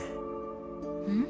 うん？